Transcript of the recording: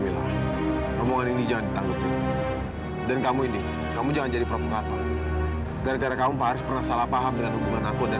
sampai jumpa di video selanjutnya